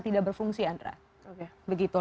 tidak berfungsi andra begitu